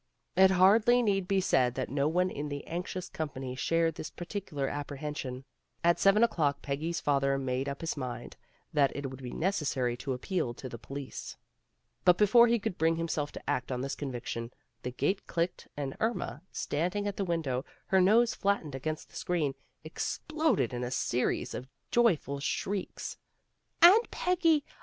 It hardly need be said that no one in the anx ious company shared this particular apprehen sion. At seven o'clock Peggy's father made up his mind that it would be necessary to ap peal to the police. But before he could bring himself to act on this conviction, the gate clicked and Irma, standing at the window, her nose flattened against the screen, exploded in a series of joyful shrieks. "Aunt Peggy!